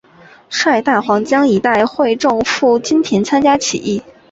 率大湟江一带会众赴金田参加起义。